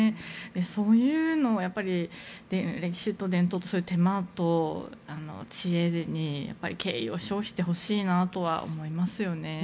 そういうのを歴史と伝統と手間と知恵に敬意を表してほしいなとは思いますよね。